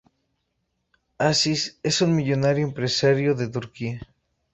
Aziz es un millonario empresario de Turquía.